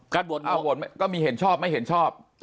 ก็มีเห็นชอบไม่เห็นชอบ